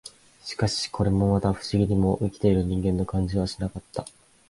しかし、これもまた、不思議にも、生きている人間の感じはしなかった